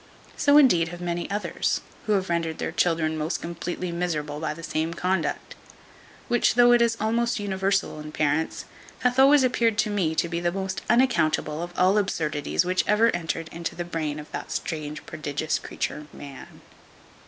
So indeed have many others, who have rendered their children most completely miserable by the same conduct; which, though it is almost universal in parents, hath always appeared to me to be the most unaccountable of all the absurdities which ever entered into the brain of that strange prodigious creature man.